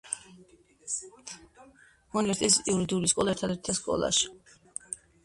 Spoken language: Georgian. უნივერსიტეტის იურიდიული სკოლა ერთადერთია ქვეყანაში.